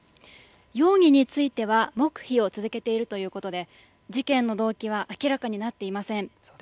容疑については黙秘を続けているということで事件の動機は明らかになっていません。